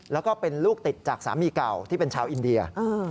แล้วก็เป็นลูกติดจากสามีเก่าที่เป็นชาวอินเดีย